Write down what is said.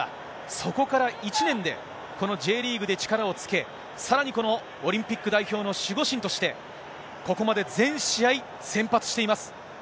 そこから１年で、このＪリーグで力をつけ、さらにこのオリンピック代表の守護神として、ここまで全試合先発しています。